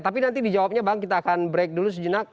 tapi nanti dijawabnya bang kita akan break dulu sejenak